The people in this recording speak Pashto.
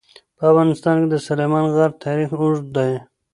په افغانستان کې د سلیمان غر تاریخ اوږد دی.